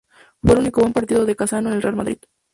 Fue el último buen partido de Cassano con el Real Madrid.